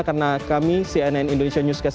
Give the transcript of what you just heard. karena kami cnn indonesia newscast